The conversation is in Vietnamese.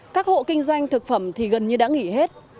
các hộ kinh doanh thực phẩm thì gần như đã nghỉ hết